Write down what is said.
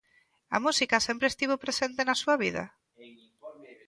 A música sempre estivo presente na súa vida?